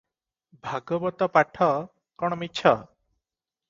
ଭାଗବତ ପାଠ କଣ ମିଛ?